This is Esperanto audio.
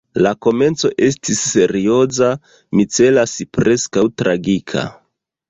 La komenco estis serioza, mi celas – preskaŭ tragika.